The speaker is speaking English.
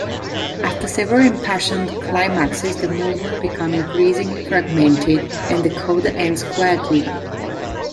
After several impassioned climaxes the movement becomes increasingly fragmented and the coda ends quietly.